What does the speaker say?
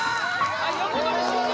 横取り終了